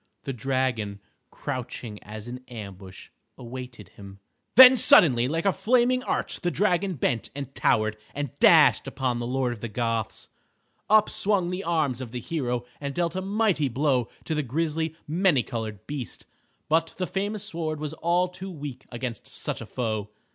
The dragon, crouching as in ambush, awaited him. Then suddenly like a flaming arch the dragon bent and towered, and dashed upon the Lord of the Goths. Up swung the arm of the hero, and dealt a mighty blow to the grisly, many colored beast. But the famous sword was all too weak against such a foe.